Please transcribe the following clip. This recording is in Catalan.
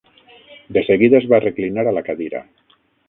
De seguida es va reclinar a la cadira.